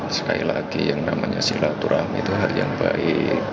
sekali lagi yang namanya silaturahmi itu hari yang baik